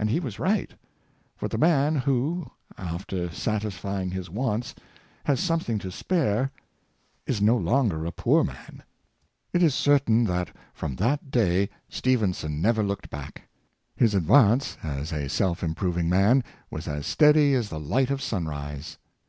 And he was right, for the man who, after satisfying his wants, has something to spare, is no longer a poor man. It is certain that from that day Stephenson never looked back ; his advance as a self improving man was as steady as the light of sunrise.